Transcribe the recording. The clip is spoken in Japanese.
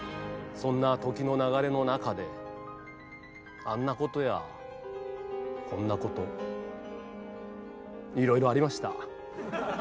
そんな時の流れの中であんなことやこんなこといろいろありました。